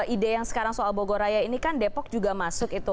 ide yang sekarang soal bogor raya ini kan depok juga masuk itu